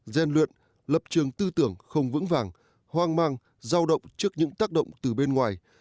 gian luyện lập trường tư tưởng không vững vàng hoang mang giao động trước những tác động từ bên ngoài